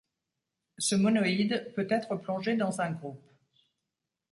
Ce monoïde peut être plongé dans un groupe.